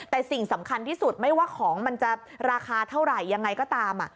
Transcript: แต่สิ่งสำคัญที่สุดไม่ว่าของมันจะราคาเท่าไหร่ยังไงก็ตาม